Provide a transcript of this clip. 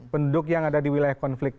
penduduk yang ada di wilayah konflik